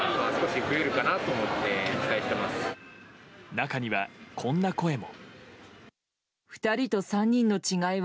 中には、こんな声も。